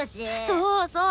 そうそう！